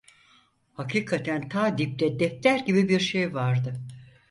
Hakikaten ta dipte defter gibi bir şey vardı.